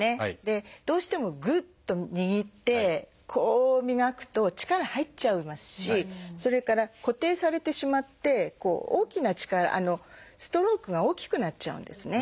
どうしてもグッと握ってこう磨くと力入っちゃいますしそれから固定されてしまって大きな力ストロークが大きくなっちゃうんですね。